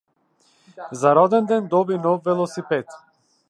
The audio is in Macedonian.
За роденден доби нов велосипед.